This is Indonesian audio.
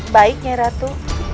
baiknya nyai ratu